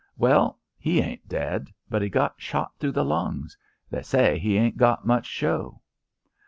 "Well, he ain't dead, but he got shot through the lungs. They say he ain't got much show."